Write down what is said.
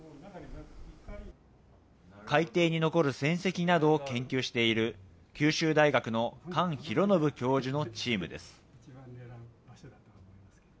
海底に残る戦跡などを研究している、九州大学の菅浩伸教授のチームです。